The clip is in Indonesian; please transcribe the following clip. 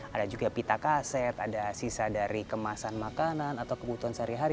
ada juga pita kaset ada sisa dari kemasan makanan atau kebutuhan sehari hari